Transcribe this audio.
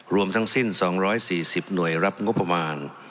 รวมทั้งสิ้น๒๔๐หน่วยรับงบประมาณ